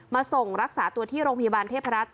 ส่งรักษาตัวที่โรงพยาบาลเทพรัฐ